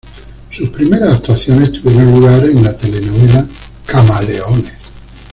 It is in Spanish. Sus primeras actuaciones tuvieron lugar en la telenovela "Camaleones".